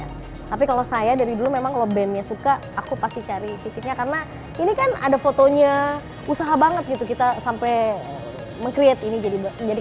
iya tapi kalau saya dari dulu memang kalau bandnya suka aku pasti cari fisiknya karena ini kan ada fotonya usaha banget gitu kita sampai meng create ini jadi